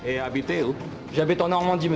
saya berasal dari normandi pak